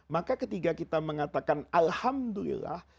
maka ketika kita mengatakan alhamdulillah